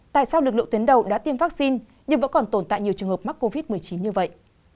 tại sao lực lượng tuyến đầu đã tiêm vaccine nhưng vẫn còn tồn tại nhiều trường hợp mắc covid một mươi chín như vậy